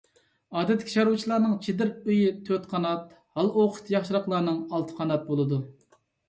ئادەتتىكى چارۋىچىلارنىڭ چېدىر ئۆيى تۆت قانات، ھال-ئوقىتى ياخشىراقلارنىڭ ئالتە قانات بولىدۇ.